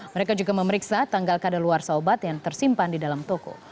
mereka juga memeriksa tanggal kadaluarsa obat yang tersimpan di dalam toko